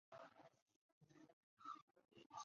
大颖草为禾本科鹅观草属下的一个种。